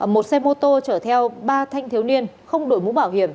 một xe mô tô chở theo ba thanh thiếu niên không đổi mũ bảo hiểm